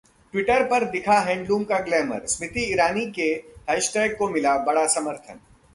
Twitter पर दिखा handloom का ग्लैमर, स्मृति ईरानी के हैशटैग को मिला बड़ा समर्थन